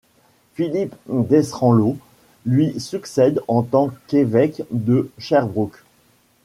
Philippe Desranleau lui succède en tant qu'évêque de Sherbrooke.